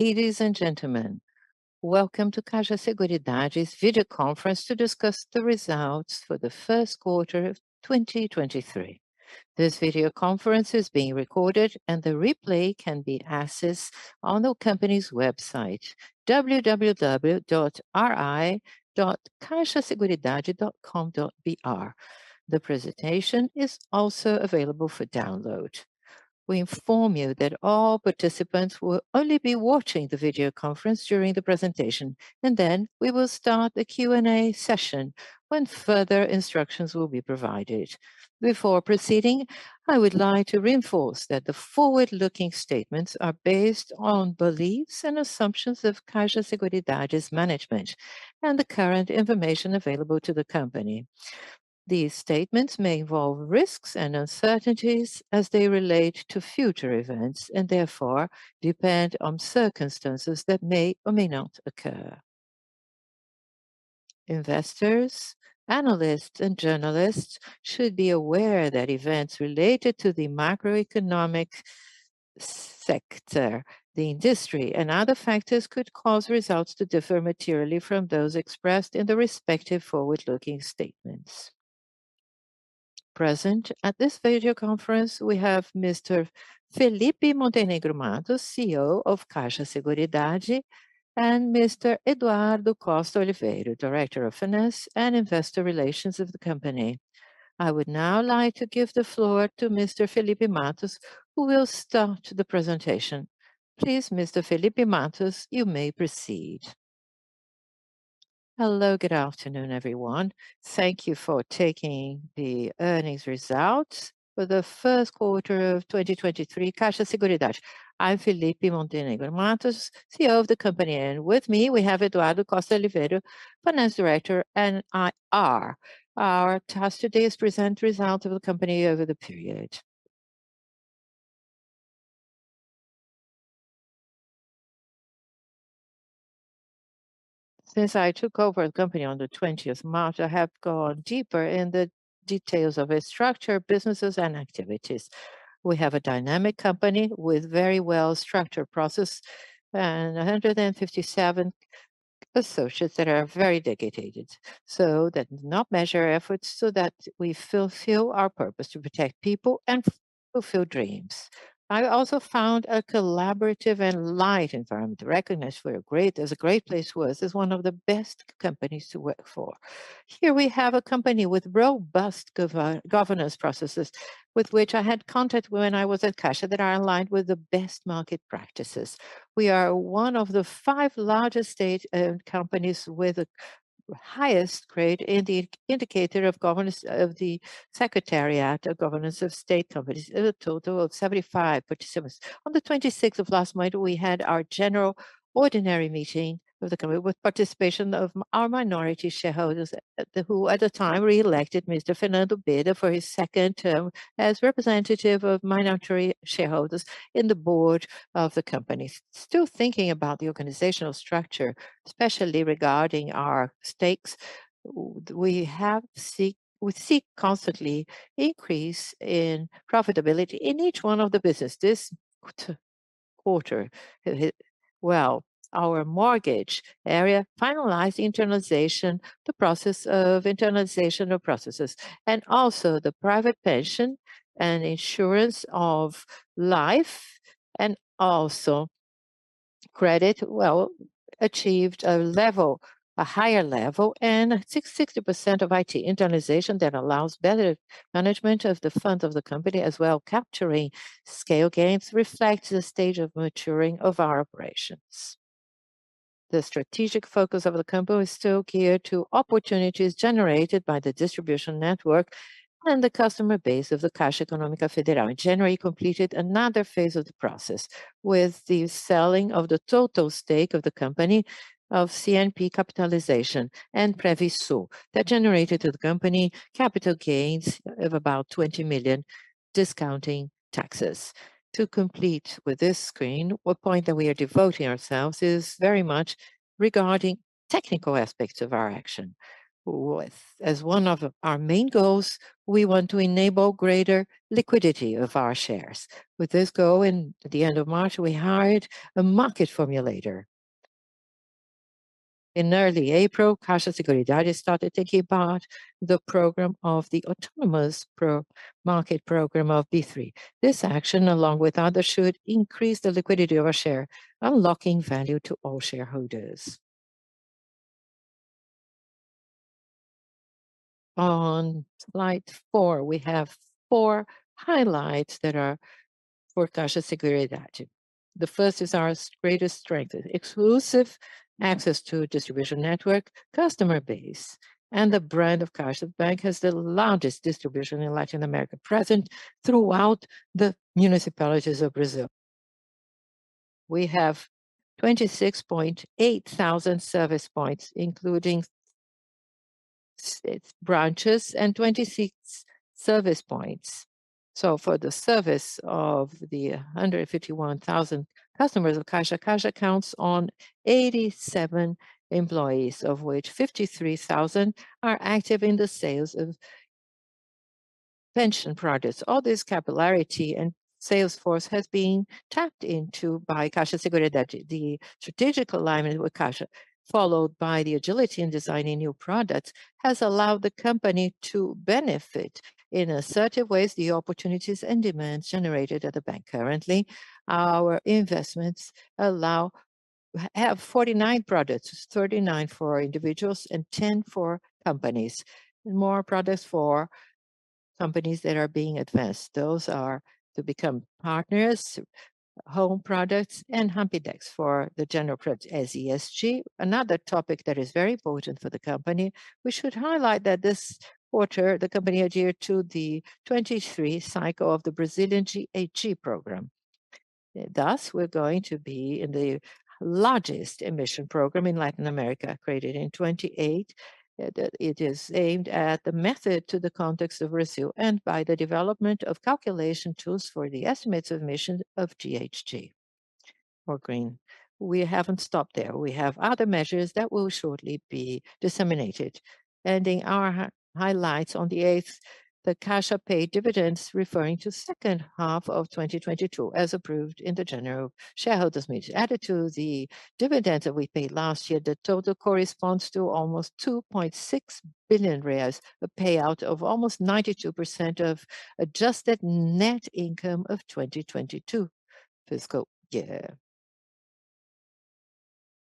Ladies and gentlemen, welcome to Caixa Seguridade's video conference to discuss the results for the Q1 of 2023. This video conference is being recorded and the replay can be accessed on the company's website, www.ri.caixaseguridade.com.br. The presentation is also available for download. We inform you that all participants will only be watching the video conference during the presentation, and then we will start the Q&A session when further instructions will be provided. Before proceeding, I would like to reinforce that the forward-looking statements are based on beliefs and assumptions of Caixa Seguridade's management and the current information available to the company. These statements may involve risks and uncertainties as they relate to future events and therefore depend on circumstances that may or may not occur. Investors, analysts, and journalists should be aware that events related to the macroeconomic sector, the industry, and other factors could cause results to differ materially from those expressed in the respective forward-looking statements. Present at this video conference, we have Mr. Felipe Montenegro Matos, CEO of Caixa Seguridade, and Mr. Eduardo Costa Oliveira, Director of Finance and Investor Relations of the company. I would now like to give the floor to Mr. Felipe Matos, who will start the presentation. Please, Mr. Felipe Matos, you may proceed. Hello, good afternoon, everyone. Thank you for taking the earnings results for the Q1 of 2023, Caixa Seguridade. I'm Felipe Montenegro Matos, CEO of the company, and with me we have Eduardo Costa Oliveira, Finance Director and IR. Our task today is present results of the company over the period. Since I took over the company on the 20th March, I have gone deeper in the details of its structure, businesses, and activities. We have a dynamic company with very well-structured process and 157 associates that are very dedicated, so that do not measure efforts so that we fulfill our purpose to protect people and fulfill dreams. I also found a collaborative and light environment recognized for a great as a great place to work, as one of the best companies to work for. Here we have a company with robust governance processes with which I had contact when I was at Caixa that are aligned with the best market practices. We are one of the 5 largest state-owned companies with the highest grade in the indicator of governance of the Secretariat of Governance of State Companies in a total of 75 participants. On the 26th of last month, we had our general ordinary meeting of the company with participation of our minority shareholders who at the time reelected Mr. Fernando Bida for his 2nd term as representative of minority shareholders in the board of the company. Still thinking about the organizational structure, especially regarding our stakes, we seek constantly increase in profitability in each one of the business. This quarter hit well our mortgage area, finalized the internalization of processes, and also the private pension and insurance of life and also credit achieved a higher level and 60% of IT internalization that allows better management of the funds of the company, as well capturing scale gains, reflects the stage of maturing of our operations. The strategic focus of the company is still geared to opportunities generated by the distribution network and the customer base of the Caixa Econômica Federal. In January, completed another phase of the process with the selling of the total stake of the company of CNP Capitalização and Previsul that generated to the company capital gains of about 20 million discounting taxes. To complete with this screen, what point that we are devoting ourselves is very much regarding technical aspects of our action. As one of our main goals, we want to enable greater liquidity of our shares. With this goal, in the end of March, we hired a market formulator. In early April, Caixa Seguridade started taking part the program of the autonomous market program of B3. This action, along with others, should increase the liquidity of our share, unlocking value to all shareholders. On slide 4, we have 4 highlights that are for Caixa Seguridade. The first is our greatest strength, exclusive access to distribution network, customer base, and the brand of Caixa Bank has the largest distribution in Latin America present throughout the municipalities of Brazil. We have 26,800 service points, including its branches and 26 service points. For the service of the 151,000 customers of Caixa counts on 87 employees, of which 53,000 are active in the sales of Pension products, all this capillarity and sales force has been tapped into by Caixa Seguridade. The strategic alignment with Caixa, followed by the agility in designing new products, has allowed the company to benefit in assertive ways the opportunities and demands generated at the bank. Currently, our investments have 49 products, 39 for individuals and 10 for companies, and more products for companies that are being advanced. Those are to become partners, home products, and Hampi decks for the general credit as ESG. Another topic that is very important for the company, we should highlight that this quarter, the company adhered to the 23 cycle of the Brazilian GHG program. We're going to be in the largest emission program in Latin America, created in 28. It is aimed at the method to the context of Brazil and by the development of calculation tools for the estimates of emissions of GHG or green. We haven't stopped there. We have other measures that will shortly be disseminated. Ending our highlights, on the 8th, the Caixa paid dividends referring to H2 of 2022, as approved in the general shareholders meeting. Added to the dividends that we paid last year, the total corresponds to almost 2.6 billion reais, a payout of almost 92% of adjusted net income of 2022 FY.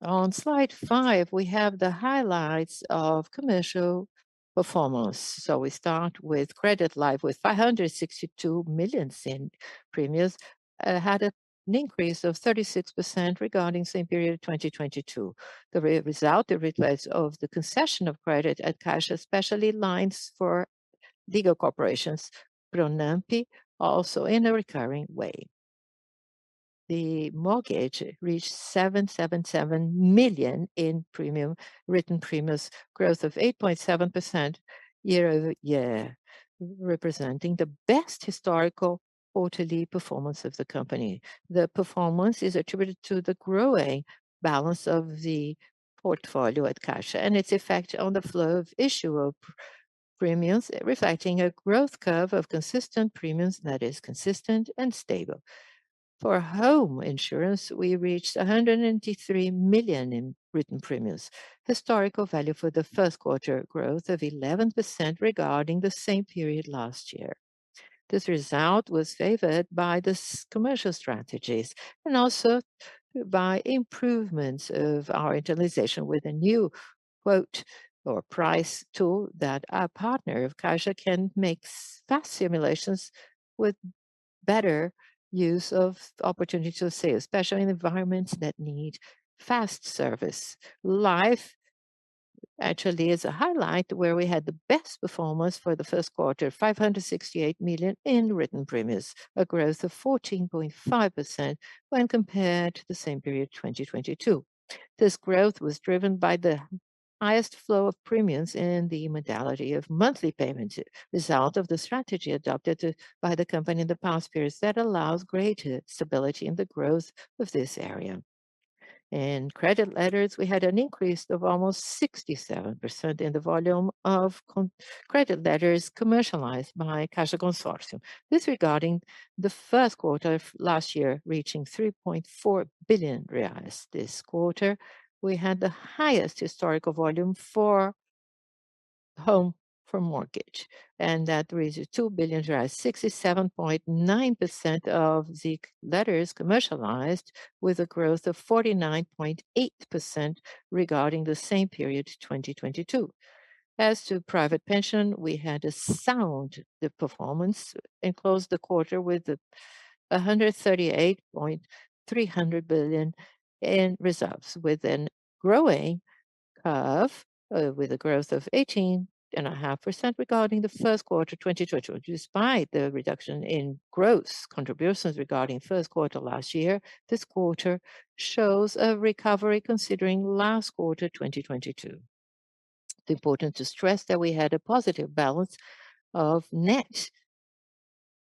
On slide 5, we have the highlights of commercial performance. We start with credit life with 562 million in premiums, had an increase of 36% regarding same period 2022. The replace of the concession of credit at Caixa, especially lines for legal corporations, Pronampe, also in a recurring way. The mortgage reached 777 million in premium, written premiums, growth of 8.7% year-over-year, representing the best historical quarterly performance of the company. The performance is attributed to the growing balance of the portfolio at Caixa and its effect on the flow of issue of premiums, reflecting a growth curve of consistent premiums that is consistent and stable. For home insurance, we reached 183 million in written premiums, historical value for the Q1 growth of 11% regarding the same period last year. This result was favored by these commercial strategies and also by improvements in our internalization with a new quote or price tool that our partner of Caixa can make fast simulations with better use of opportunity to sell, especially in environments that need fast service. Life actually is a highlight where we had the best performance for the Q1, 568 million in written premiums, a growth of 14.5% when compared to the same period 2022. This growth was driven by the highest flow of premiums in the modality of monthly payments, result of the strategy adopted by the company in the past periods that allows greater stability in the growth of this area. In credit letters, we had an increase of almost 67% in the volume of credit letters commercialized by Caixa Consórcio. Regarding the Q1 of last year, reaching 3.4 billion reais. Quarter, we had the highest historical volume for home, for mortgage, and that reached 2 billion, 67.9% of the letters commercialized with a growth of 49.8% regarding the same period, 2022. To private pension, we had a sound performance and closed the quarter with 138.3 billion in reserves, with an growing curve, with a growth of 18.5% regarding the Q1 2022. Despite the reduction in gross contributions regarding Q1 last year, this quarter shows a recovery considering last quarter, 2022. It's important to stress that we had a positive balance of net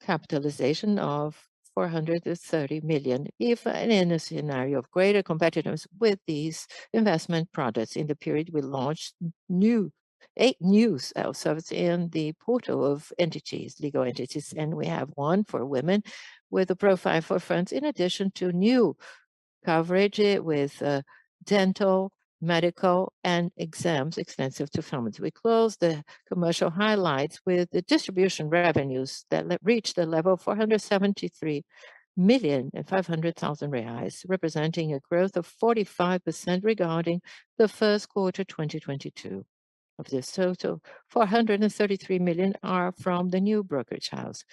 capitalization of 430 million, if and in a scenario of greater competitiveness with these investment products. In the period, we launched 8 new sal-service in the portal of entities, legal entities, and we have one for women with a profile for funds, in addition to new coverage with dental, medical, and exams, extensive to families. We closed the commercial highlights with the distribution revenues that reached a level of 473.5 million, representing a growth of 45% regarding the Q1 2022. Of this total, 433 million are from the new brokerage house,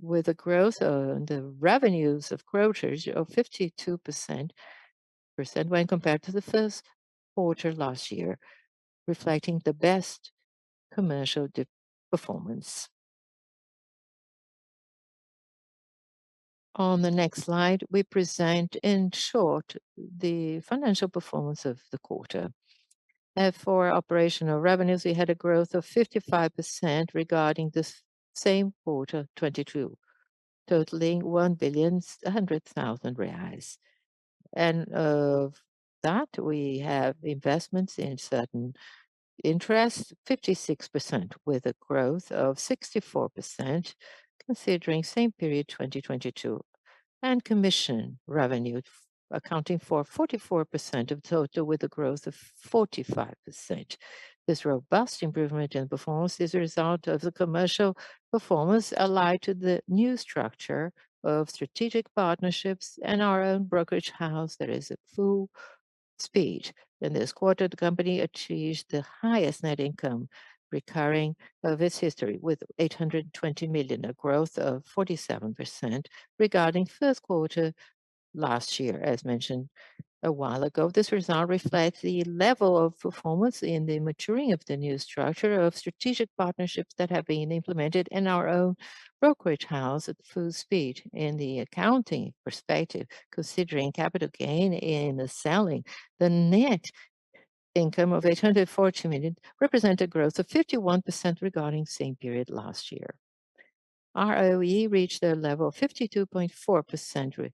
with a growth on the revenues of brokerage of 52% when compared to the Q1 last year, reflecting the best commercial de-performance. On the next slide, we present, in short, the financial performance of the quarter. For operational revenues, we had a growth of 55% regarding the same quarter 2022, totaling 1,000,100,000 reais. Of that, we have investments in certain interests, 56% with a growth of 64% considering same period 2022. Commission revenue accounting for 44% of total with a growth of 45%. This robust improvement in performance is a result of the commercial performance allied to the new structure of strategic partnerships and our own brokerage house that is at full speed. In this quarter, the company achieved the highest net income recurring of its history with 820 million, a growth of 47% regarding Q1 last year, as mentioned a while ago. This result reflects the level of performance in the maturing of the new structure of strategic partnerships that have been implemented in our own brokerage house at full speed. In the accounting perspective, considering capital gain in the selling, the net income of 840 million represent a growth of 51% regarding same period last year. ROE reached a level of 52.4%,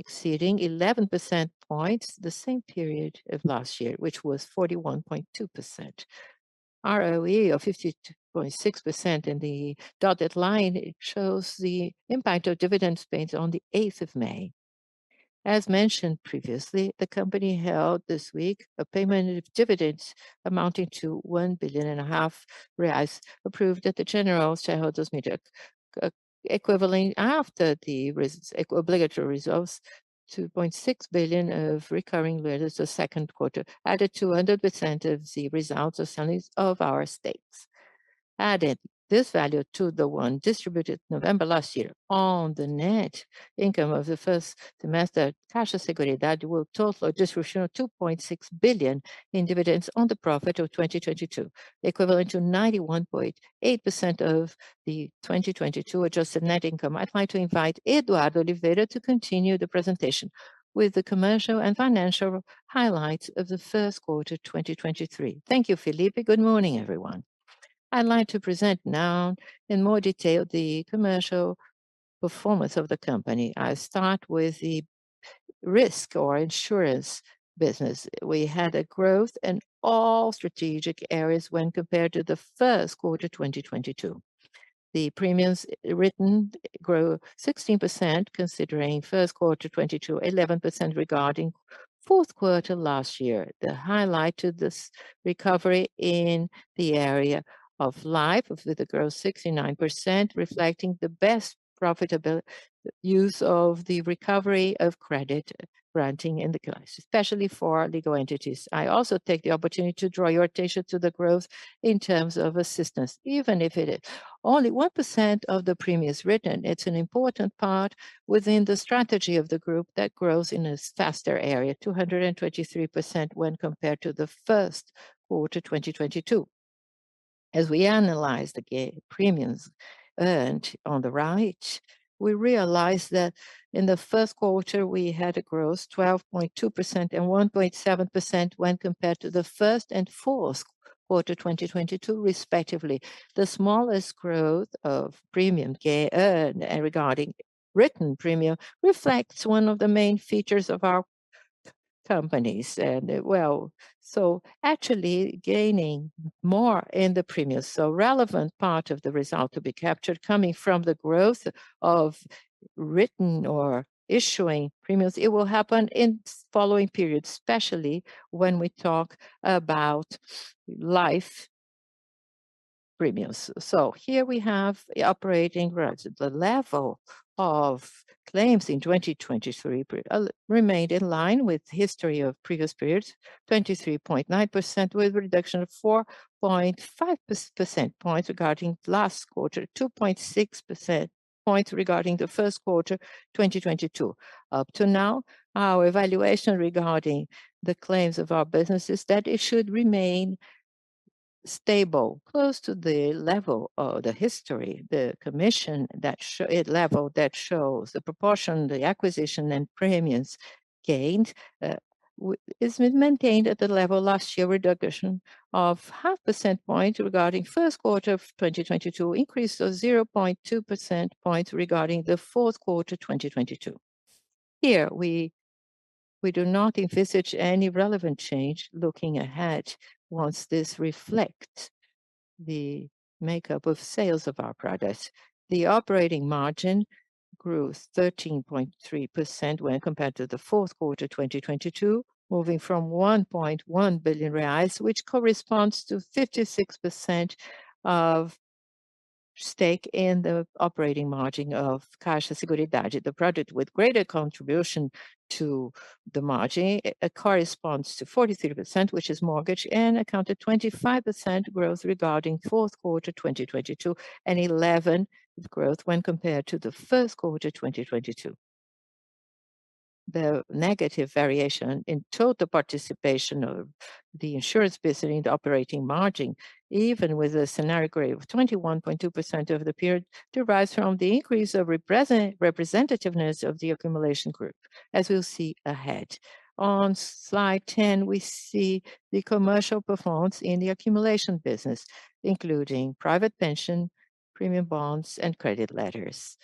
exceeding 11 percent points the same period of last year, which was 41.2%. ROE of 52.6% in the dotted line, it shows the impact of dividend payments on the 8th of May. As mentioned previously, the company held this week a payment of dividends amounting to one billion and a half BRL, approved at the general shareholders' meeting, equivalent after the obligatory results, 2.6 billion of recurring BRL the Q2, added to 100% of the results of sales of our stakes. Adding this value to the one distributed November last year on the net income of the first semester, Caixa Seguridade will total a distribution of 2.6 billion in dividends on the profit of 2022, equivalent to 91.8% of the 2022 adjusted net income. I'd like to invite Eduardo Oliveira to continue the presentation with the commercial and financial highlights of the Q1 2023. Thank you, Felipe. Good morning, everyone. I'd like to present now in more detail the commercial performance of the company. I'll start with the risk or insurance business. We had a growth in all strategic areas when compared to the Q1 2022. The premiums written grew 16% considering Q1 2022, 11% regarding Q4 last year. The highlight to this recovery in the area of life with the growth 69%, reflecting the best profitable use of the recovery of credit granting in the clients, especially for legal entities. I also take the opportunity to draw your attention to the growth in terms of assistance. Even if it is only 1% of the premiums written, it's an important part within the strategy of the group that grows in a faster area, 223% when compared to the Q1 2022. As we analyze the premiums earned on the right, we realize that in the Q1 we had a growth 12.2% and 1.7% when compared to the first and Q4 2022 respectively. The smallest growth of premium earned and regarding written premium reflects one of the main features of our companies. Well, actually gaining more in the premiums, so relevant part of the result to be captured coming from the growth of written or issuing premiums, it will happen in following periods, especially when we talk about life premiums. Here we have the operating rates. The level of claims in 2023 remained in line with history of previous periods, 23.9% with reduction of 4.5 percent points regarding last quarter, 2.6 percent points regarding the Q1 2022. Up to now, our evaluation regarding the claims of our business is that it should remain stable, close to the level of the history, the commission that level that shows the proportion, the acquisition and premiums gained, is maintained at the level last year, reduction of half percent point regarding Q1 of 2022, increase of 0.2 percent points regarding the Q4 2022. Here we do not envisage any relevant change looking ahead once this reflects the makeup of sales of our products. The operating margin grew 13.3% when compared to the Q4 2022, moving from 1.1 billion reais, which corresponds to 56% of stake in the operating margin of Caixa Seguridade. The product with greater contribution to the margin corresponds to 43%, which is mortgage, and accounted 25% growth regarding Q4 2022, and 11% growth when compared to the Q1 2022. The negative variation in total participation of the insurance business in the operating margin, even with a scenario growth of 21.2% over the period, derives from the increase of representativeness of the accumulation group, as we'll see ahead. On slide 10, we see the commercial performance in the accumulation business, including private pension, premium bonds, and credit letters.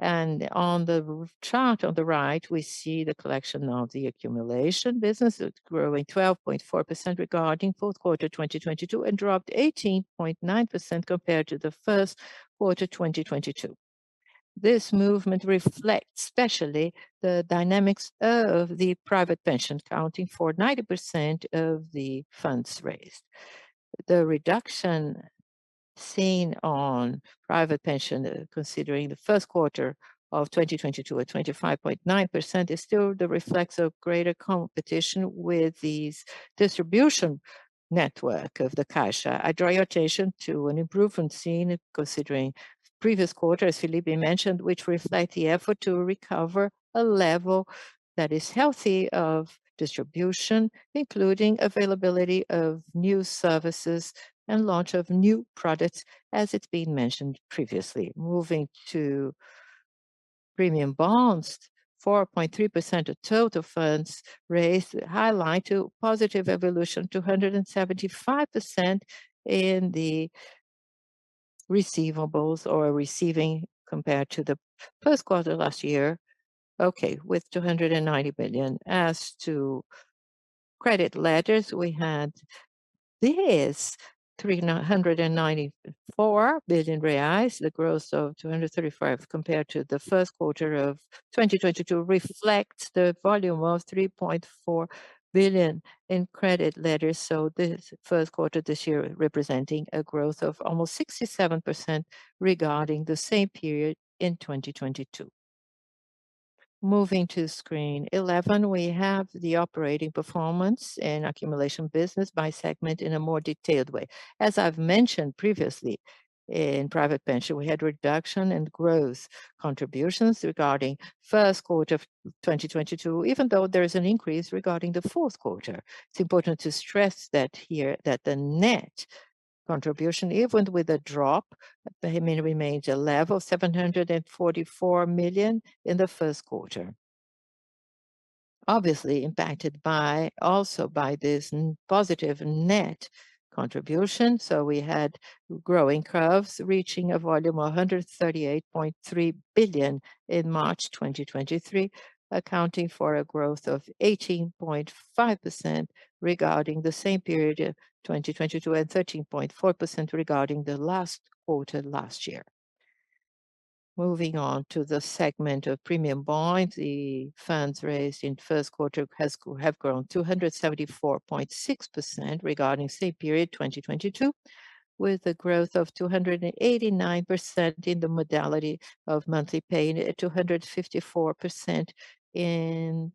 On the chart on the right, we see the collection of the accumulation business. It's growing 12.4% regarding Q4 2022, dropped 18.9% compared to the Q1 2022. This movement reflects especially the dynamics of the private pension, accounting for 90% of the funds raised. The reduction seen on private pension, considering the Q1 of 2022 at 25.9% is still the reflects of greater competition with the distribution network of the Caixa. I draw your attention to an improvement seen considering previous quarter, as Philippe mentioned, which reflect the effort to recover a level that is healthy of distribution, including availability of new services and launch of new products as it's been mentioned previously. Moving to premium bonds, 4.3% of total funds raised highlight a positive evolution, 275% in the receivables or receiving compared to the Q1 last year, with 290 billion. As to credit letters, we had this, 394 billion reais. The growth of 235% compared to the Q1 of 2022 reflect the volume of 3.4 billion in credit letters. This Q1 this year representing a growth of almost 67% regarding the same period in 2022. Moving to screen 11, we have the operating performance and accumulation business by segment in a more detailed way. As I've mentioned previously, in private pension, we had reduction in growth contributions regarding Q1 of 2022, even though there is an increase regarding the Q4. It's important to stress that here, that the net contribution, even with a drop, remained a level, 744 million, in the Q1. Obviously impacted by, also by this positive net contribution, we had growing curves reaching a volume of 138.3 billion in March 2023, accounting for a growth of 18.5% regarding the same period of 2022, and 13.4% regarding the last quarter last year. Moving on to the segment of premium bonds, the funds raised in Q1 have grown 274.6% regarding same period 2022, with a growth of 289% in the modality of monthly payment at 254% in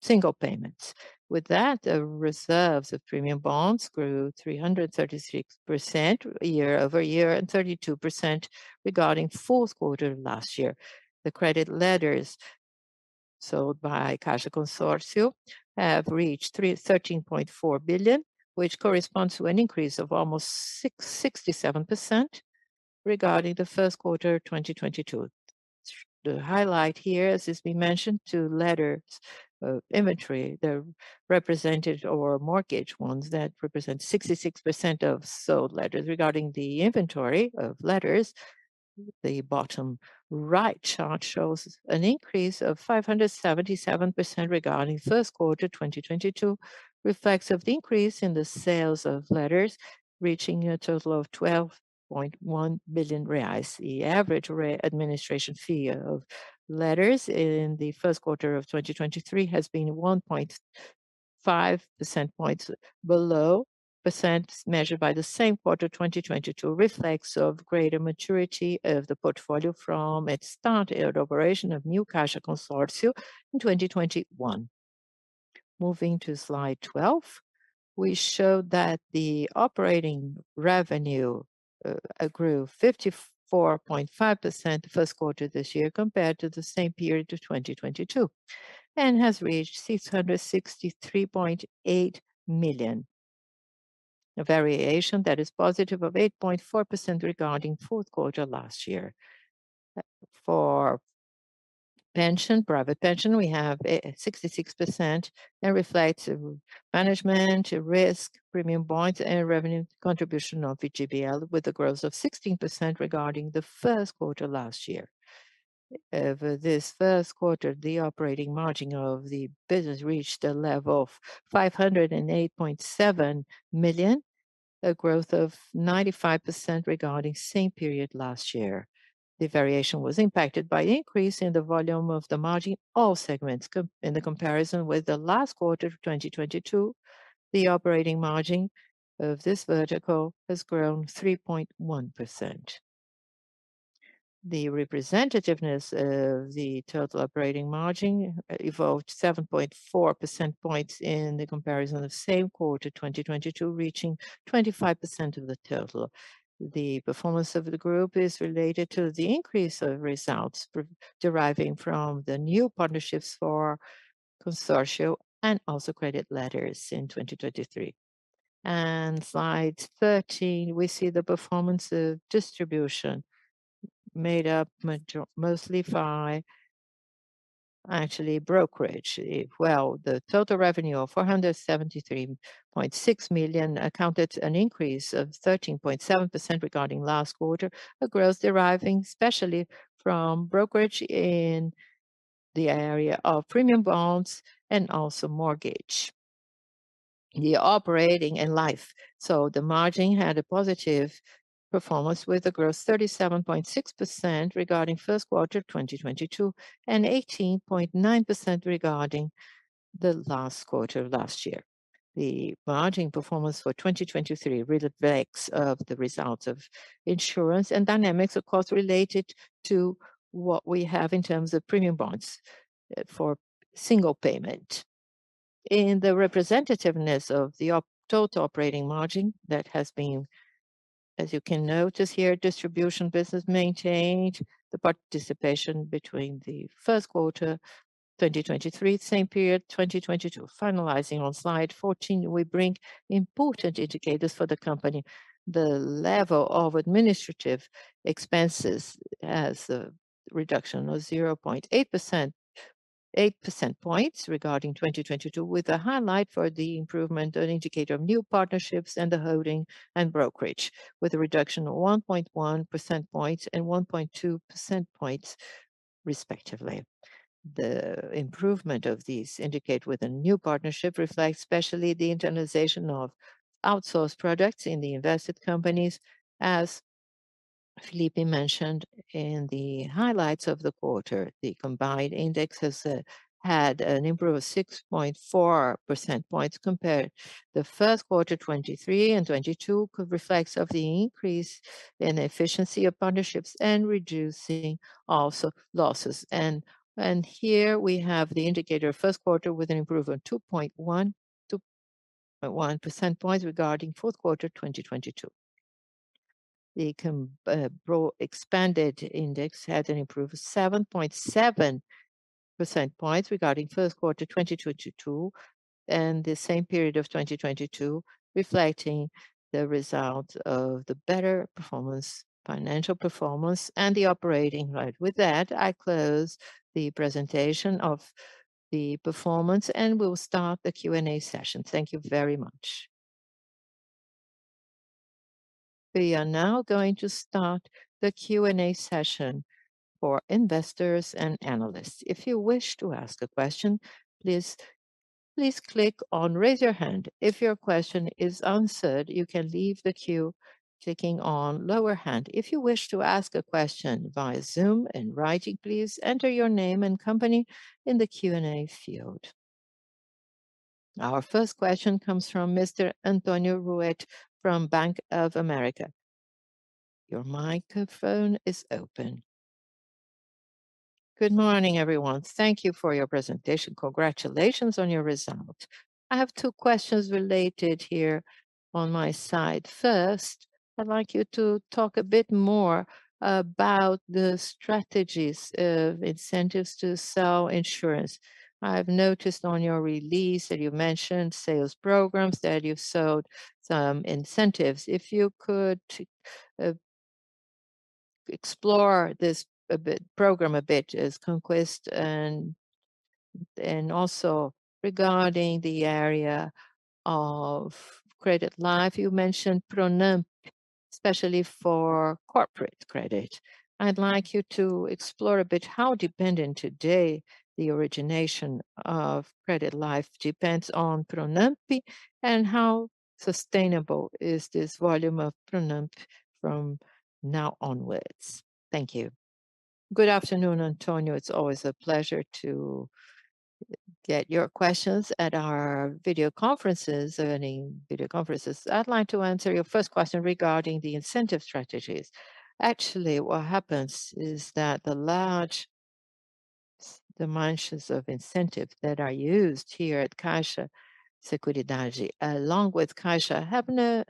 single payments. The reserves of premium bonds grew 336% year-over-year and 32% regarding Q4 last year. The credit letters sold by Caixa Consórcio have reached 13.4 billion, which corresponds to an increase of almost 67% regarding the Q1 of 2022. The highlight here, as has been mentioned, to letters, inventory, the represented or mortgaged ones that represent 66% of sold letters. Regarding the inventory of letters, the bottom right chart shows an increase of 577% regarding Q1 2022, reflects of the increase in the sales of letters reaching a total of 12.1 billion reais. The average rate administration fee of letters in the Q1 of 2023 has been 1.5 percentage points below percent measured by the same quarter 2022, reflects of greater maturity of the portfolio from its start and operation of new Caixa Consórcio in 2021. Moving to slide 12, we show that the operating revenue grew 54.5% Q1 this year compared to the same period of 2022, and has reached 663.8 million. A variation that is positive of 8.4% regarding Q4 last year. For pension, private pension, we have 66% and reflects management risk, premium bonds, and revenue contribution of VGBL with a growth of 16% regarding the Q1 last year. this Q1, the operating margin of the business reached a level of 508.7 million, a growth of 95% regarding same period last year. The variation was impacted by increase in the volume of the margin all segments. in the comparison with the last quarter of 2022, the operating margin of this vertical has grown 3.1%. The representativeness of the total operating margin evolved 7.4 percentage points in the comparison of same quarter 2022, reaching 25% of the total. The performance of the group is related to the increase of results deriving from the new partnerships for Consorcio and also credit letters in 2023. slide 13, we see the performance of distribution made up mostly by actually brokerage. Well, the total revenue of 473.6 million accounted an increase of 13.7% regarding last quarter, a growth deriving especially from brokerage in the area of premium bonds and also mortgage. The operating and life margin had a positive performance with a gross 37.6% regarding Q1 2022, and 18.9% regarding the last quarter of last year. The margin performance for 2023 reflects the results of insurance and dynamics, of course, related to what we have in terms of premium bonds for single payment. In the representativeness of the total operating margin that has been, as you can notice here, distribution business maintained the participation between the Q1 2023, same period 2022. Finalizing on slide 14, we bring important indicators for the company. The level of administrative expenses has a reduction of 0.8%, 8 percent points regarding 2022, with a highlight for the improvement on indicator of new partnerships and the holding and brokerage, with a reduction of 1.1 percent points and 1.2 percent points respectively. The improvement of these indicate with a new partnership reflects especially the internalization of outsourced products in the invested companies, as Philippe mentioned in the highlights of the quarter. The combined index has had an improve of 6.4 percent points compared the Q1 2023 and 2022, reflects of the increase in efficiency of partnerships and reducing also losses. Here we have the indicator Q1 with an improve of 2.1 percent points regarding Q4 2022. The expanded index had an improve of 7.7% points regarding Q1 2022, and the same period of 2022 reflecting the result of the better performance, financial performance and the operating. Right. With that, I close the presentation of the performance, and we'll start the Q&A session. Thank you very much. We are now going to start the Q&A session for investors and analysts. If you wish to ask a question, please click on raise your hand. If your question is answered, you can leave the queue clicking on lower hand. If you wish to ask a question via Zoom in writing, please enter your name and company in the Q&A field. Our first question comes from Mr. Antonio Ruiz from Bank of America. Your microphone is open. Good morning, everyone. Thank you for your presentation. Congratulations on your results. I have 2 questions related here on my side. First, I'd like you to talk a bit more about the strategies of incentives to sell insurance. I've noticed on your release that you mentioned sales programs, that you've sold some incentives. If you could explore this a bit, program a bit, as Conquiste and also regarding the area of credit life, you mentioned Pronampe, especially for corporate credit. I'd like you to explore a bit how dependent today the origination of credit life depends on Pronampe, and how sustainable is this volume of Pronampe from now onwards. Thank you. Good afternoon, Antonio. It's always a pleasure to get your questions at our video conferences, earning video conferences. I'd like to answer your first question regarding the incentive strategies. Actually, what happens is that the large dimensions of incentive that are used here at Caixa Seguridade, along with Caixa,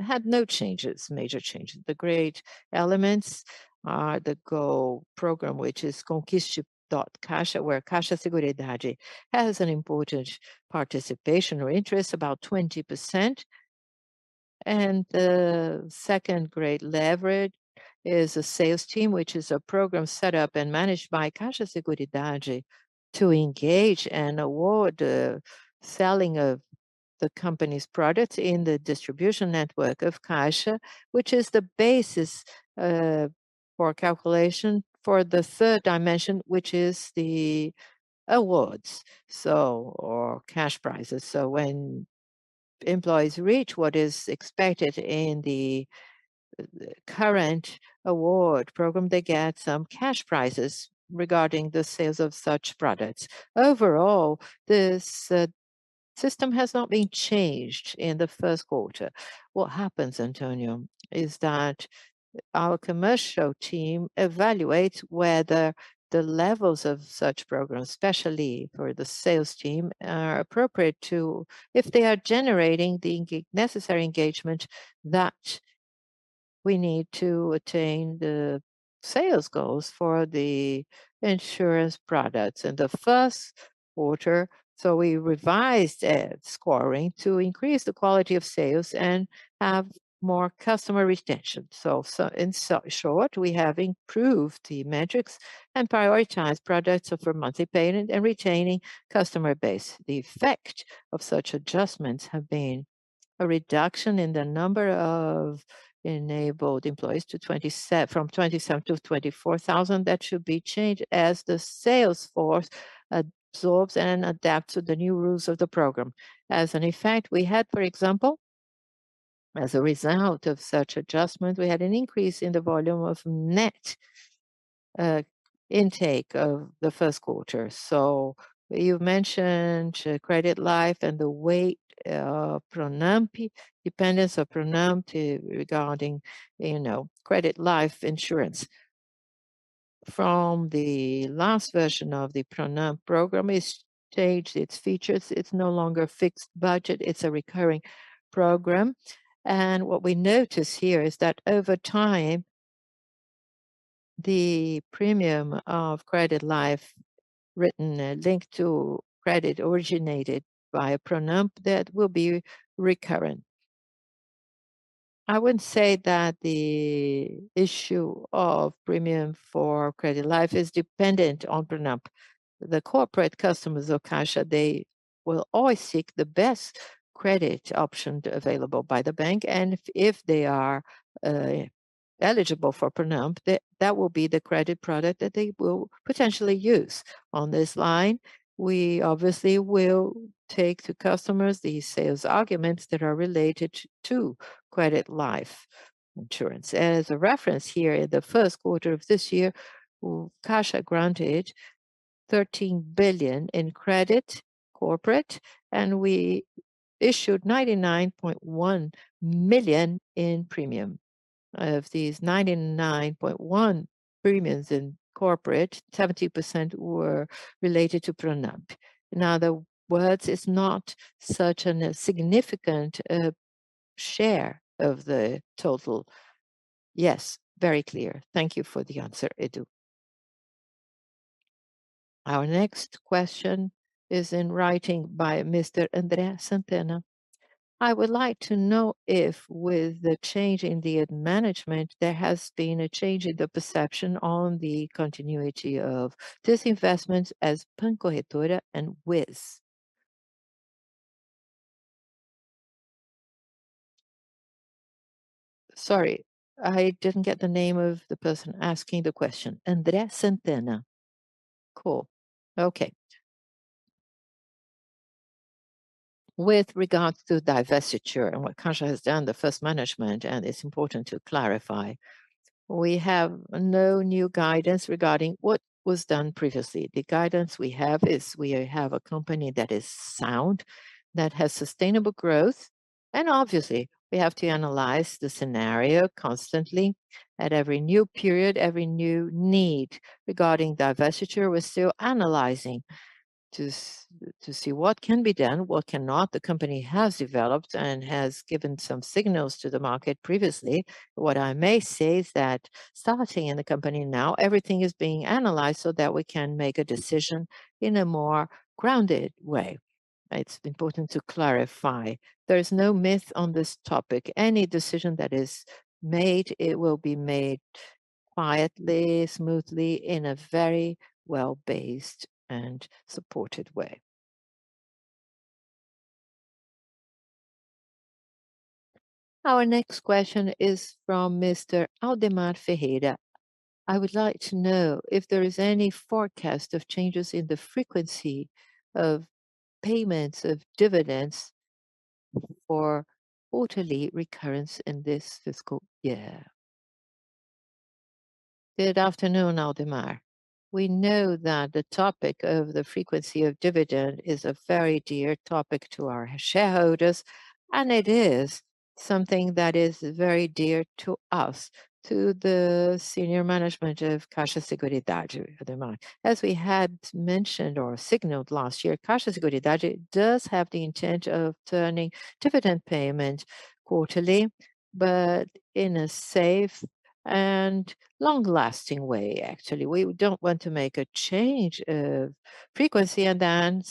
had no changes, major changes. The great elements are the Go program, which is Conquiste.CAIXA, where Caixa Seguridade has an important participation or interest, about 20%. The second great leverage is a sales team, which is a program set up and managed by Caixa Seguridade to engage and award the selling of the company's products in the distribution network of Caixa, which is the basis for calculation for the 3rd dimension, which is the awards, so, or cash prizes. When employees reach what is expected in the current award program, they get some cash prizes regarding the sales of such products. Overall, this system has not been changed in the Q1. What happens, Antonio, is that our commercial team evaluates whether the levels of such programs, especially for the sales team, are appropriate if they are generating the necessary engagement that we need to attain the sales goals for the insurance products in the Q1. We revised scoring to increase the quality of sales and have more customer retention. In so short, we have improved the metrics and prioritized products for monthly payment and retaining customer base. The effect of such adjustments have been a reduction in the number of enabled employees from 27 to 24,000. That should be changed as the sales force absorbs and adapts to the new rules of the program. As an effect, we had, for example, as a result of such adjustment, we had an increase in the volume of net intake of the Q1. You mentioned credit life and the weight of Pronamp, dependence of Pronamp regarding, you know, credit life insurance. From the last version of the Pronamp program, it's changed its features. It's no longer fixed budget, it's a recurring program. What we notice here is that over time, the premium of credit life written linked to credit originated by Pronamp, that will be recurrent. I wouldn't say that the issue of premium for credit life is dependent on Pronamp. The corporate customers of Caixa, they will always seek the best credit option available by the bank. If they are eligible for Pronamp, that will be the credit product that they will potentially use. On this line, we obviously will take to customers the sales arguments that are related to credit life insurance. As a reference here, in the Q1 of this year, Caixa granted 13 billion in credit corporate, and we issued 99.1 million in premium. Of these 99.1 premiums in corporate, 70% were related to Pronampe. In other words, it's not such an significant share of the total. Yes, very clear. Thank you for the answer, Edu. Our next question is in writing by Mr. André Sant'Anna. I would like to know if with the change in the management, there has been a change in the perception on the continuity of disinvestment as Bancorretora and Wiz. Sorry, I didn't get the name of the person asking the question. André Sant'Anna. Cool. Okay. With regards to divestiture and what Caixa has done, the first management, and it's important to clarify, we have no new guidance regarding what was done previously. The guidance we have is we have a company that is sound, that has sustainable growth, and obviously we have to analyze the scenario constantly at every new period, every new need. Regarding divestiture, we're still analyzing to see what can be done, what cannot. The company has developed and has given some signals to the market previously. What I may say is that starting in the company now, everything is being analyzed so that we can make a decision in a more grounded way. It's important to clarify there is no myth on this topic. Any decision that is made, it will be made quietly, smoothly, in a very well-based and supported way. Our next question is from Mr. Aldemar Ferreira. I would like to know if there is any forecast of changes in the frequency of payments of dividends for quarterly recurrence in this FY. Good afternoon, Aldemar. We know that the topic of the frequency of dividend is a very dear topic to our shareholders, and it is something that is very dear to us, to the senior management of Caixa Seguridade, Aldemar. As we had mentioned or signaled last year, Caixa Seguridade does have the intent of turning dividend payment quarterly, but in a safe and long-lasting way, actually. We don't want to make a change of frequency and then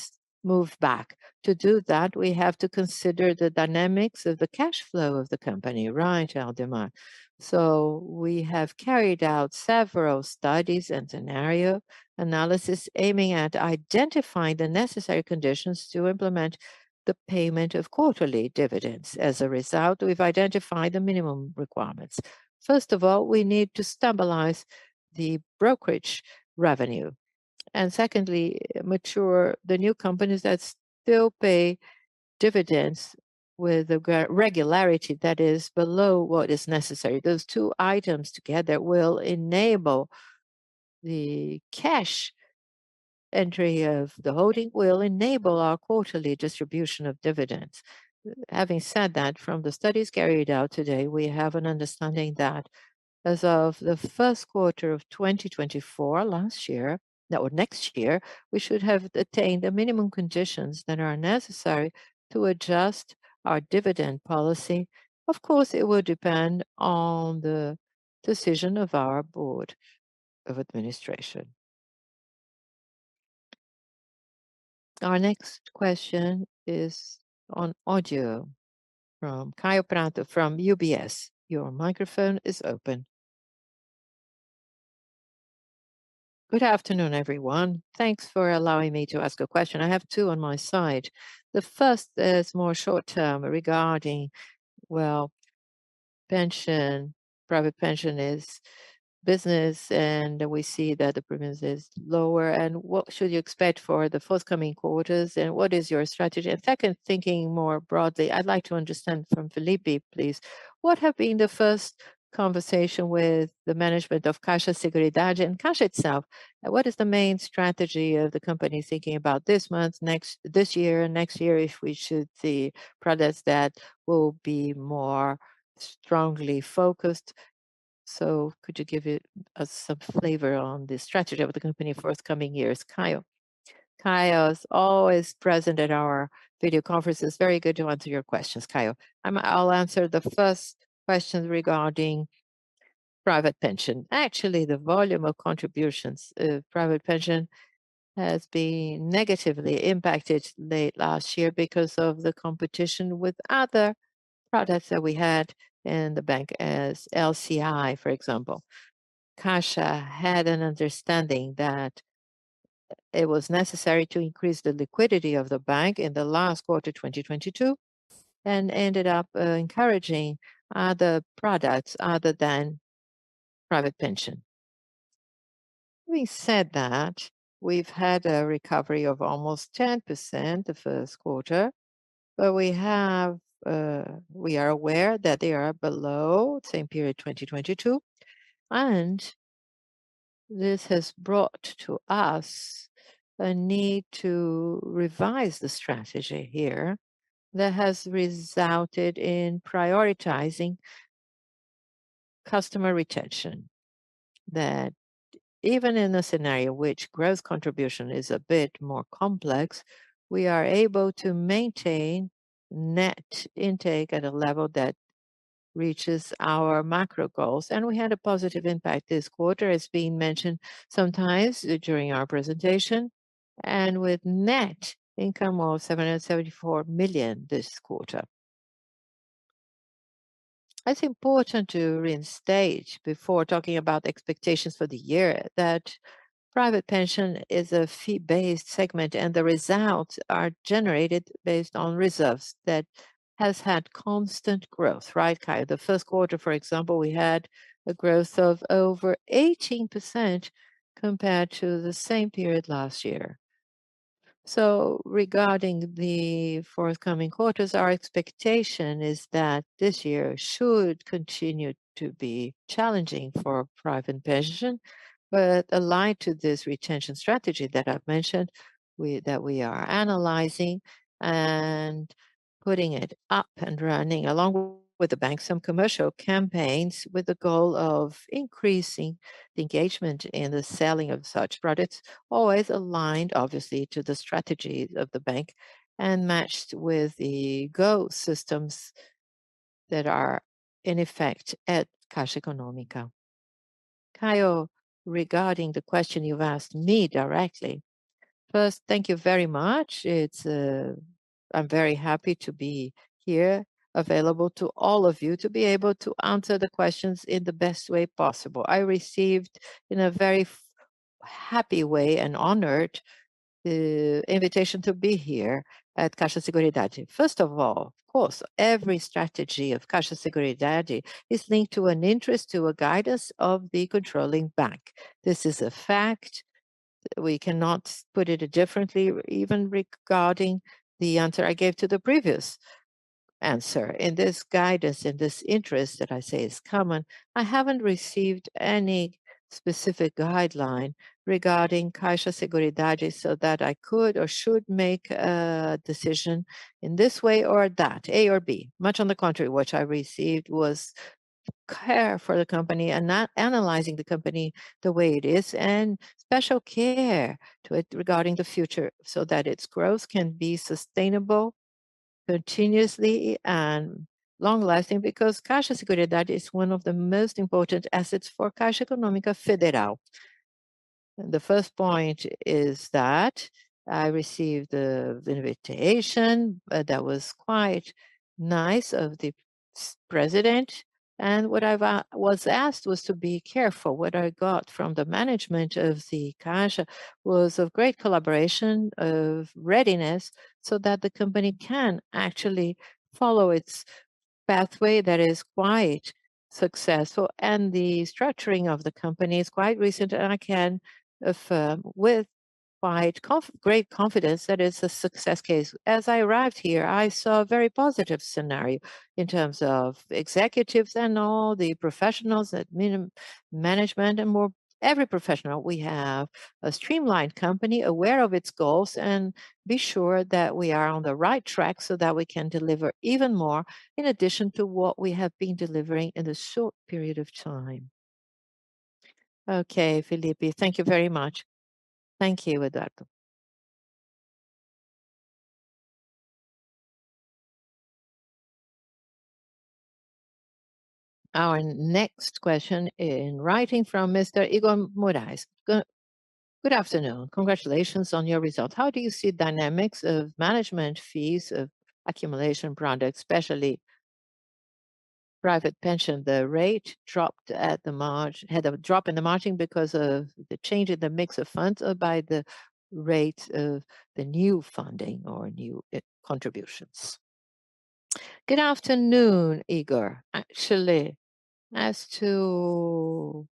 move back. To do that, we have to consider the dynamics of the cash flow of the company, right, Aldemar? We have carried out several studies and scenario analysis aiming at identifying the necessary conditions to implement the payment of quarterly dividends. As a result, we've identified the minimum requirements. First of all, we need to stabilize the brokerage revenue, and secondly, mature the new companies that still pay dividends with a re-regularity that is below what is necessary. Those 2 items together will enable the cash entry of the holding, will enable our quarterly distribution of dividends. Having said that, from the studies carried out today, we have an understanding that As of the Q1 of 2024, last year, no, next year, we should have attained the minimum conditions that are necessary to adjust our dividend policy. Of course, it will depend on the decision of our Board of Administration. Our next question is on audio from Kaio Prato from UBS. Your microphone is open. Good afternoon, everyone. Thanks for allowing me to ask a question. I have 2 on my side. The first is more short-term regarding, well, pension, private pension is business. We see that the premiums is lower. What should you expect for the forthcoming quarters? What is your strategy? Second, thinking more broadly, I'd like to understand from Felipe, please, what have been the first conversation with the management of Caixa Seguridade and Caixa itself? What is the main strategy of the company thinking about this month, this year and next year if we should see products that will be more strongly focused? Could you give it, us some flavor on the strategy of the company for us coming years? Kaio. Kaio is always present at our video conferences. Very good to answer your questions, Kaio. I'll answer the first question regarding private pension. Actually, the volume of contributions of private pension has been negatively impacted late last year because of the competition with other products that we had in the bank. LCI, for example. Caixa had an understanding that it was necessary to increase the liquidity of the bank in the last quarter, 2022, ended up encouraging other products other than private pension. We said that we've had a recovery of almost 10% the 1st quarter, we are aware that they are below same period 2022, this has brought to us a need to revise the strategy here that has resulted in prioritizing customer retention. Even in a scenario which gross contribution is a bit more complex, we are able to maintain net intake at a level that reaches our macro goals. We had a positive impact this quarter, as being mentioned sometimes during our presentation, and with net income of 774 million this quarter. It's important to reinstate before talking about expectations for the year that private pension is a fee-based segment, and the results are generated based on reserves that has had constant growth. Right, Kaio? The Q1, for example, we had a growth of over 18% compared to the same period last year. Regarding the forthcoming quarters, our expectation is that this year should continue to be challenging for private pension, but aligned to this retention strategy that I've mentioned, we are analyzing and putting it up and running along with the bank, some commercial campaigns with the goal of increasing the engagement in the selling of such products, always aligned, obviously, to the strategy of the bank and matched with the goal systems that are in effect at Caixa Econômica. Kaio, regarding the question you've asked me directly, first, thank you very much. It's, I'm very happy to be here available to all of you to be able to answer the questions in the best way possible. I received in a very happy way and honored the invitation to be here at Caixa Seguridade. First of all, of course, every strategy of Caixa Seguridade is linked to an interest to a guidance of the controlling bank. This is a fact. We cannot put it differently, even regarding the answer I gave to the previous answer. In this guidance, in this interest that I say is common, I haven't received any specific guideline regarding Caixa Seguridade so that I could or should make a decision in this way or that, A or B. Much on the contrary, what I received was care for the company and not analyzing the company the way it is, and special care to it regarding the future so that its growth can be sustainable continuously and long-lasting because Caixa Seguridade is one of the most important assets for Caixa Econômica Federal. The first point is that I received the invitation that was quite nice of the president, and what I've was asked was to be careful. What I got from the management of the Caixa was of great collaboration, of readiness, so that the company can actually follow its pathway that is quite successful, and the structuring of the company is quite recent. I can affirm with great confidence that it's a success case. As I arrived here, I saw a very positive scenario in terms of executives and all the professionals at Management and more every professional. We have a streamlined company aware of its goals and be sure that we are on the right track so that we can deliver even more in addition to what we have been delivering in a short period of time. Okay, Felipe, thank you very much. Thank you, Eduardo. Our next question in writing from Mr. Igor Moraes. Good afternoon. Congratulations on your results. How do you see dynamics of management fees of accumulation products, especially private pension? The rate dropped had a drop in the margin because of the change in the mix of funds or by the rate of the new funding or new contributions? Good afternoon, Igor. Actually, as to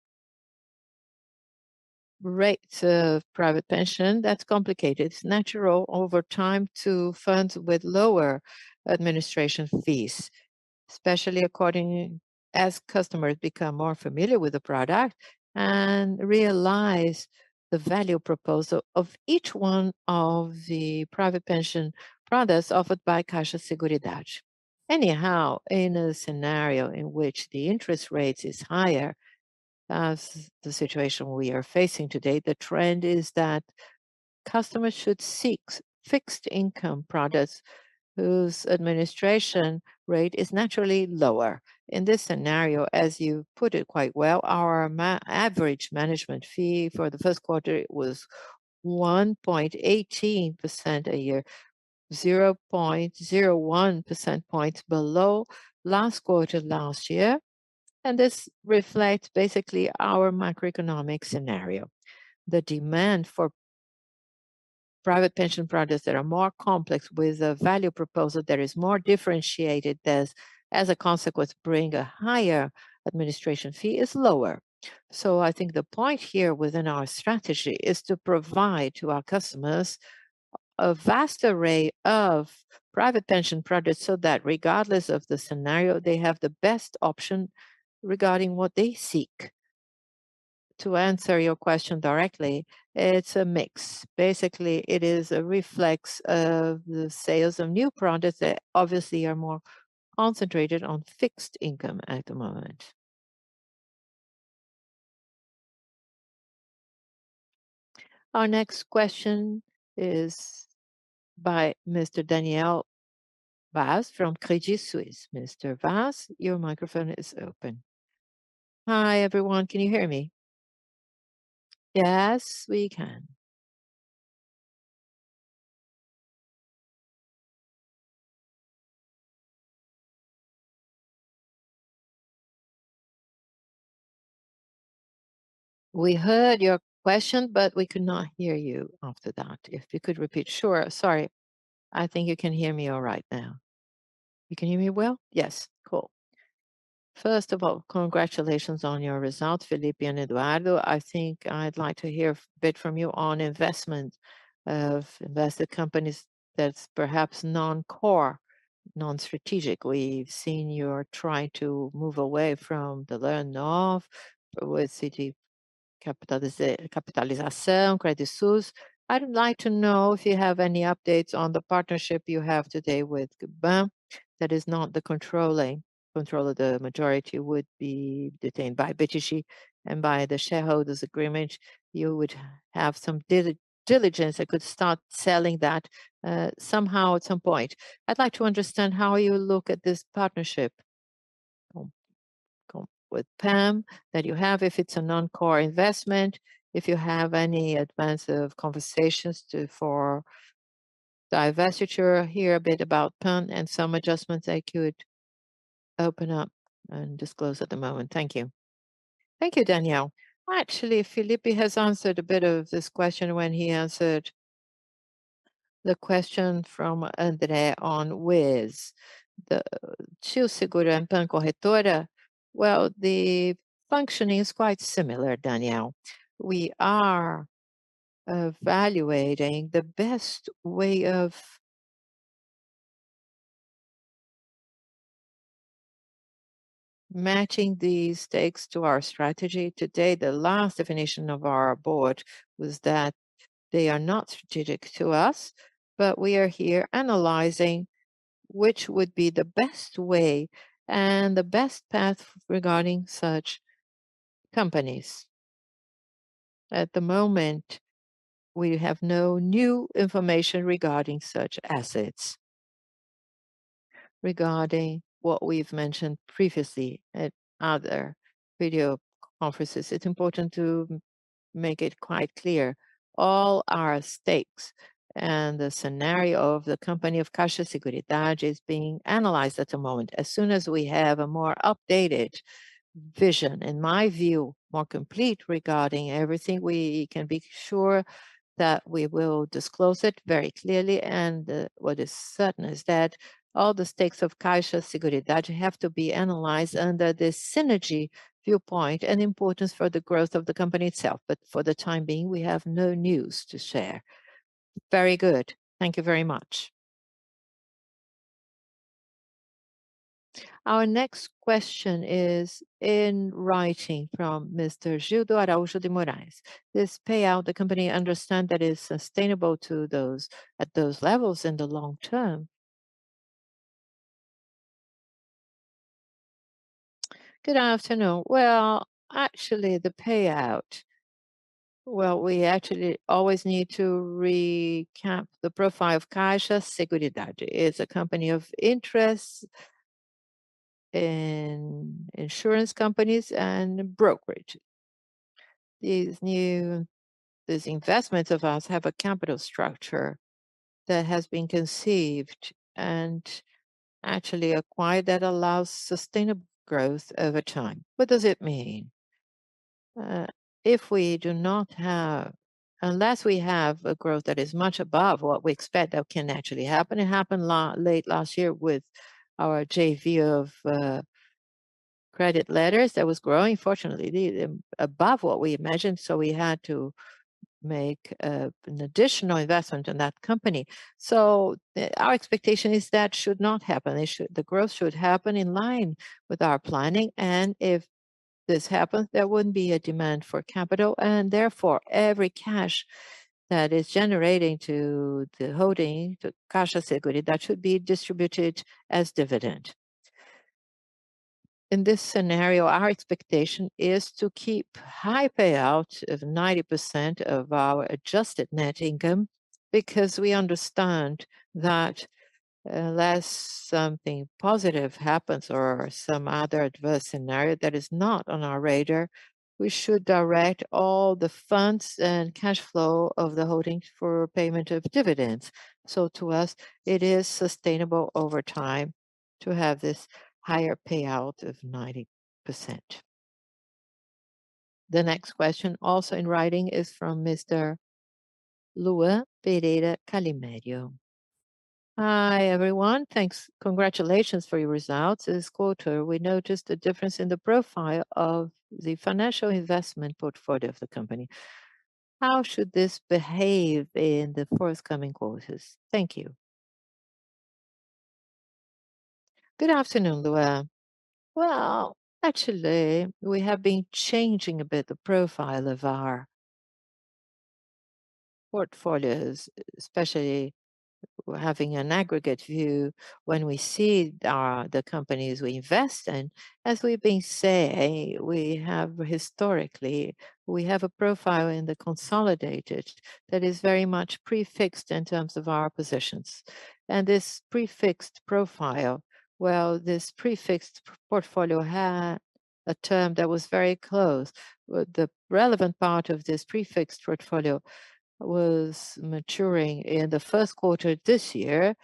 rates of private pension, that's complicated. It's natural over time to funds with lower administration fees, especially according as customers become more familiar with the product and realize the value proposal of each one of the private pension products offered by Caixa Seguridade. In a scenario in which the interest rate is higher, as the situation we are facing today, the trend is that customers should seek fixed income products whose administration rate is naturally lower. In this scenario, as you put it quite well, our average management fee for the Q1 was 1.18% a year, 0.01 percentage points below last quarter last year. This reflects basically our macroeconomic scenario. The demand for private pension products that are more complex with a value proposal that is more differentiated as a consequence bring a higher administration fee is lower. I think the point here within our strategy is to provide to our customers a vast array of private pension products so that regardless of the scenario, they have the best option regarding what they seek. To answer your question directly, it's a mix. Basically, it is a reflex of the sales of new products that obviously are more concentrated on fixed income at the moment. Our next question is by Mr. Daniel Vaz from Credit Suisse. Mr. Vaz, your microphone is open. Hi, everyone. Can you hear me? Yes, we can. We heard your question, but we could not hear you after that. If you could repeat. Sure. Sorry. I think you can hear me all right now. You can hear me well? Yes. Cool. First of all, congratulations on your results, Felipe and Eduardo. I think I'd like to hear a bit from you on investment of invested companies that's perhaps non-core, non-strategic. We've seen you're trying to move away from the learn off with CT Capitalização, Credit Suisse. I would like to know if you have any updates on the partnership you have today with PAN. That is not the controlling, control of the majority would be detained by BTG and by the shareholders' agreement, you would have some diligence that could start selling that somehow at some point. I'd like to understand how you look at this partnership with PAN that you have, if it's a non-core investment, if you have any advance of conversations to, for divestiture here, a bit about PAN and some adjustments that you would open up and disclose at the moment. Thank you. Thank you, Daniel. Actually, Felipe has answered a bit of this question when he answered the question from Andre on Wiz. The Too Seguros and PAN Corretora, well, the functioning is quite similar, Daniel. We are evaluating the best way of matching these stakes to our strategy. Today, the last definition of our board was that they are not strategic to us. We are here analyzing which would be the best way and the best path regarding such companies. At the moment, we have no new information regarding such assets. Regarding what we've mentioned previously at other video conferences, it's important to make it quite clear, all our stakes and the scenario of the company of Caixa Seguridade is being analyzed at the moment. As soon as we have a more updated vision, in my view, more complete regarding everything, we can be sure that we will disclose it very clearly. What is certain is that all the stakes of Caixa Seguridade have to be analyzed under the synergy viewpoint and importance for the growth of the company itself. For the time being, we have no news to share. Very good. Thank you very much. Our next question is in writing from Mr. Gildo Araujo de Moraes. "This payout, the company understand that is sustainable at those levels in the long term?" Good afternoon. Well, actually, the payout. Well, we actually always need to recap the profile of Caixa Seguridade. It's a company of interest in insurance companies and brokerage. These investments of ours have a capital structure that has been conceived and actually acquired that allows sustainable growth over time. What does it mean? Unless we have a growth that is much above what we expect, that can actually happen. It happened late last year with our JV of credit letters that was growing, fortunately, above what we imagined, so we had to make an additional investment in that company. Our expectation is that should not happen. The growth should happen in line with our planning. If this happens, there wouldn't be a demand for capital. Therefore, every cash that is generating to the holding, to Caixa Seguridade, should be distributed as dividend. In this scenario, our expectation is to keep high payout of 90% of our adjusted net income because we understand that unless something positive happens or some other adverse scenario that is not on our radar, we should direct all the funds and cash flow of the holding for payment of dividends. To us, it is sustainable over time to have this higher payout of 90%. The next question, also in writing, is from Mr. Luan Pereira Calimério: "Hi, everyone. Thanks. Congratulations for your results. This quarter, we noticed a difference in the profile of the financial investment portfolio of the company. How should this behave in the forthcoming quarters? Thank you. Good afternoon, Luan. Well, actually, we have been changing a bit the profile of our portfolios, especially having an aggregate view when we see our, the companies we invest in. As we've been saying, we have historically, we have a profile in the consolidated that is very much prefixed in terms of our positions. This prefixed profile, well, this prefixed portfolio had a term that was very close. The relevant part of this prefixed portfolio was maturing in the Q1 this year,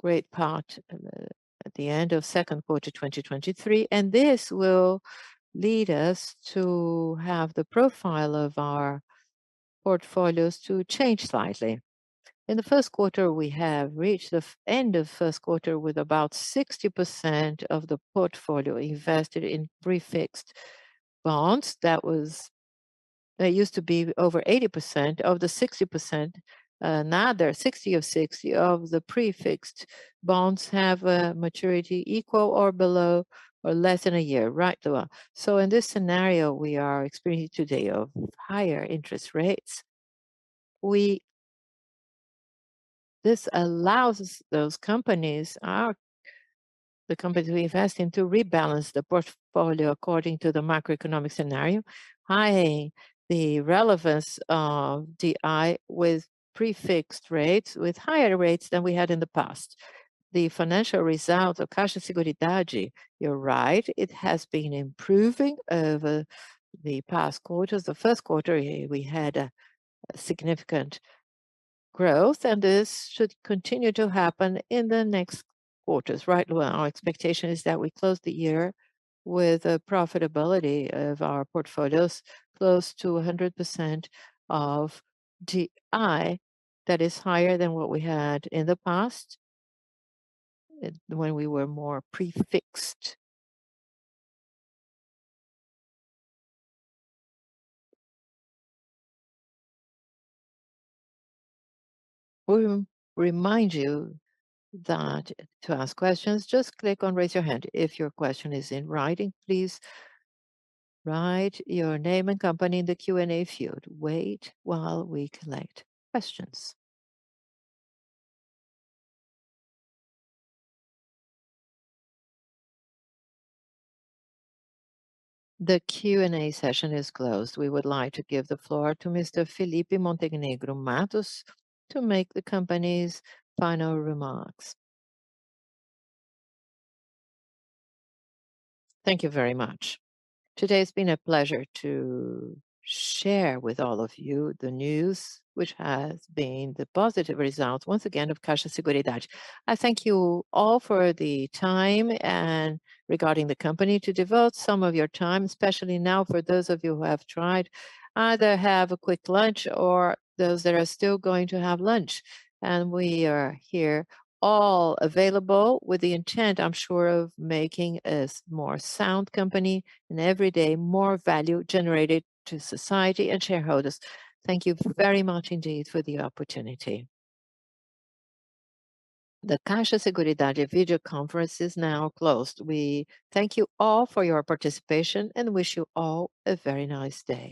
great part at the end of Q2, 2023, and this will lead us to have the profile of our portfolios to change slightly. In the Q1, we have reached the end of Q1 with about 60% of the portfolio invested in prefixed bonds. That used to be over 80%. Of the 60%, now they're 60 of 60 of the prefixed bonds have a maturity equal or below or less than a year, right, Luan. In this scenario we are experiencing today of higher interest rates, this allows those companies, the companies we invest in, to rebalance the portfolio according to the macroeconomic scenario, high the relevance of DI with prefixed rates, with higher rates than we had in the past. The financial results of Caixa Seguridade, you're right, it has been improving over the past quarters. The Q1, we had a significant growth, this should continue to happen in the next quarters, right, Luan. Our expectation is that we close the year with a profitability of our portfolios close to 100% of DI that is higher than what we had in the past when we were more prefixed. We remind you that to ask questions, just click on Raise Your Hand. If your question is in writing, please write your name and company in the Q&A field. Wait while we collect questions. The Q&A session is closed. We would like to give the floor to Mr. Felipe Montenegro Matos to make the company's final remarks. Thank you very much. Today's been a pleasure to share with all of you the news which has been the positive results, once again, of Caixa Seguridade. I thank you all for the time and regarding the company to devote some of your time, especially now for those of you who have tried, either have a quick lunch or those that are still going to have lunch. We are here all available with the intent, I'm sure, of making a more sound company and every day more value generated to society and shareholders. Thank you very much indeed for the opportunity. The Caixa Seguridade video conference is now closed. We thank you all for your participation and wish you all a very nice day.